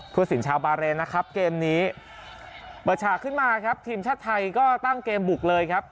สินชาวบาเรนนะครับเกมนี้เปิดฉากขึ้นมาครับทีมชาติไทยก็ตั้งเกมบุกเลยครับ